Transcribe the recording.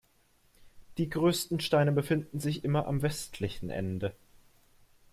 Die größten Steine befinden sich immer am westlichen Ende.